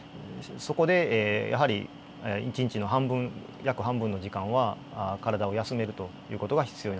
そこでやはり一日の半分約半分の時間は体を休めるという事が必要になってきます。